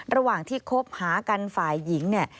ระหว่างที่คบหากันฝ่ายหญิงเนี่ย